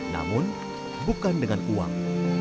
namun bukan dengan uang